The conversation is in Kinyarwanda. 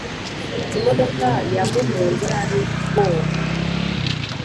Imodoka yamugonze nabi rwoe